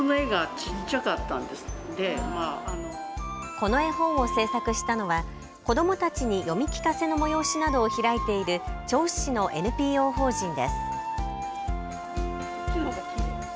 この絵本を制作したのは子どもたちに読み聞かせの催しなどを開いている銚子市のＮＰＯ法人です。